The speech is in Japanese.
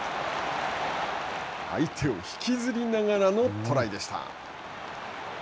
相手を引きずりながらのトライでした。